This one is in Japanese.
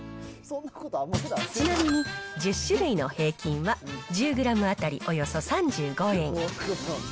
ちなみに１０種類の平均は１０グラム当たりおよそ３５円。